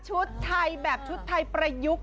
ชุดไทยแบบชุดไทยประยุกต์